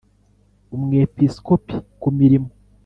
Umwepisikopi ku mirimo